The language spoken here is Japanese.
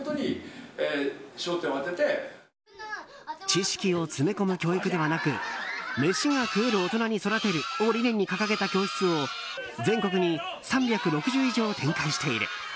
知識を詰め込む教育ではなくメシが食える大人に育てるを理念に掲げた教室を全国に３６０以上展開している。